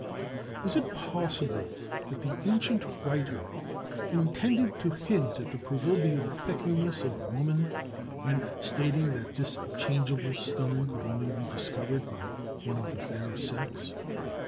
Is it possible that the ancient writer intended to hint at the proverbial fickleness of woman, when stating that this changeable stone could only be discovered by one of the fair sex?